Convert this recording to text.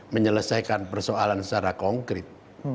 menyelesaikan persoalan secara konkret